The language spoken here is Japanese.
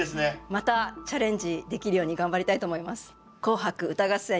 またチャレンジできるように頑張りたいと思います。